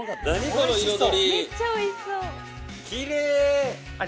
この彩り！